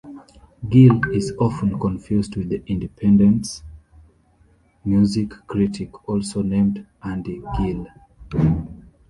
Gill is often confused with "The Independent's" music critic, also named Andy Gill.